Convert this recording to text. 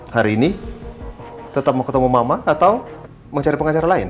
hari ini tetap mau ketemu mama atau mencari pengacara lain